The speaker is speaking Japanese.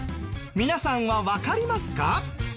皆さんはわかりますか？